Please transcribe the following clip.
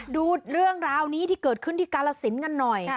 ดูเรื่องราวนี้ที่เกิดขึ้นที่กาลสินกันหน่อย